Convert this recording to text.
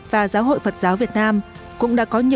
và giáo hội phật giáo việt nam cũng đã có nhiều tổ chức